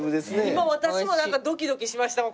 今私もドキドキしましたもん。